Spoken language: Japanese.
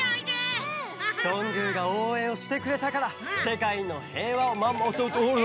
どんぐーがおうえんをしてくれたからせかいのへいわをまも。